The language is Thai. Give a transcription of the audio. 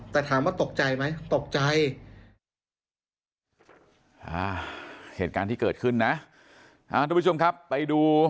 แต่ถามว่าตกใจไหมตกใจ